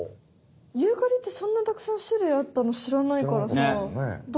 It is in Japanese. ユーカリってそんなたくさん種類あったのしらないからさ。